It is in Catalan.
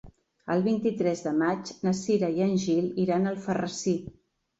El vint-i-tres de maig na Cira i en Gil iran a Alfarrasí.